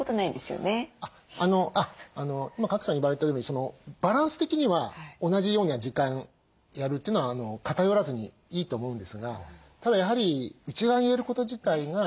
今賀来さん言われたとおりバランス的には同じような時間やるというのは偏らずにいいと思うんですがただやはり内側に入れること自体が。